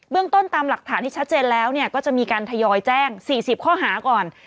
ต้นตามหลักฐานที่ชัดเจนแล้วก็จะมีการทยอยแจ้ง๔๐ข้อหาก่อน